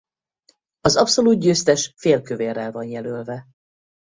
Az abszolút győztes félkövérrel van jelölve.